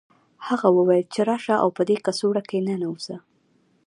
هغه وویل چې راشه او په دې کڅوړه کې ننوځه